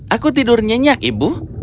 aku tidur nyenyak ibu